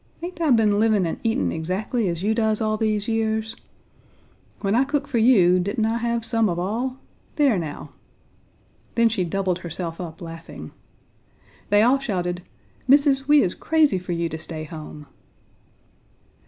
Ain't I been living and eating exactly as you does all these years? When I cook for you, didn't I have some of all? Dere, now!" Then she doubled herself up laughing. They all shouted, "Missis, we is crazy for you to stay home."